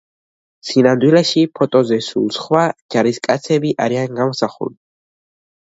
სინამდვილეში ფოტოზე სულ სხვა ჯარისკაცები არიან გამოსახულნი.